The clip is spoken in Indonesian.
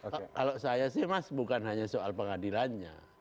kalau saya sih mas bukan hanya soal pengadilannya